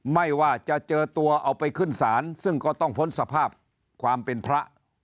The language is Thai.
ไม่ว่าจะเจอตัวเอาไปขึ้นศาลซึ่งก็ต้องพ้นสภาพความเป็นพระ